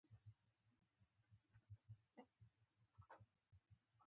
په خپل ځان باور ولره حرکت وکړه دا حقیقت دی.